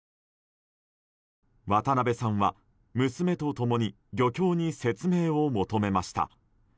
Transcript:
渡辺さんは娘と共に漁協に説明を求めました。